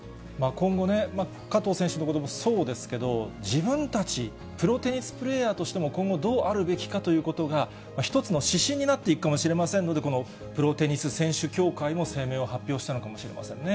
今後ね、加藤選手のこともそうですけど、自分たち、プロテニスプレーヤーとしても今後、どうあるべきかということが、一つの指針になっていくかもしれませんので、このプロテニス選手協会も声明を発表したのかもしれませんね。